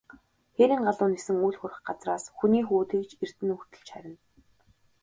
Хээрийн галуу нисэн үл хүрэх газраас, хүний хүү тэгж эрдэнэ өвөртөлж харина.